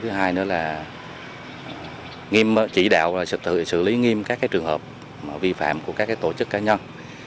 thứ hai nữa là chỉ đạo xử lý nghiêm các trường hợp vi phạm của các tổ chức cá nhân